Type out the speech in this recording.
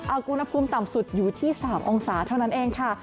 เอาอุณหภูมิต่ำสุดอยู่ที่๓องศาเท่านั้นเองค่ะ